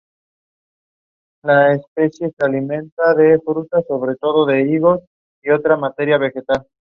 Lee fue identificada como la líder del proyecto.